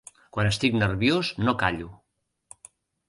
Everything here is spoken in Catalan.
Quan estic nerviós no callo.